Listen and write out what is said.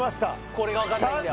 これが分かんないんだよ